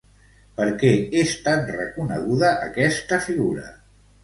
Per què és tan reconeguda aquesta figura?